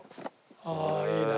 ああいいね。